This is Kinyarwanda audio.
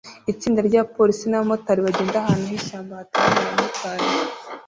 Itsinda ryabapolisi nabamotari bagenda ahantu h'ishyamba hateraniye abamotari